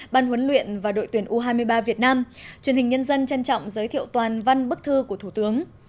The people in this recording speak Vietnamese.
ban huấn luyện và đội tuyển u hai mươi ba việt nam truyền hình nhân dân trân trọng giới thiệu toàn văn bức thư của thủ tướng